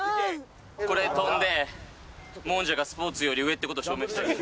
これ跳んでもんじゃがスポーツより上って事証明してやります。